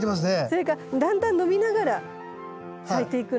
それかだんだん伸びながら咲いていくの。